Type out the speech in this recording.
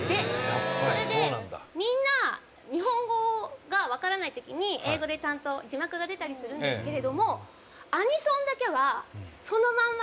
それで、みんな日本語がわからない時に英語で、ちゃんと字幕が出たりするんですけれどもアニソンだけは、そのまま。